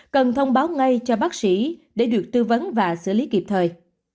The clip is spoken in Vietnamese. cần thông báo ngay cho bác sĩ để được tư vấn và xử lý kịp thời